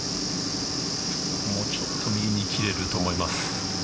ちょっと右に切れると思います。